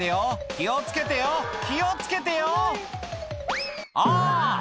気を付けてよ気を付けてよあぁ！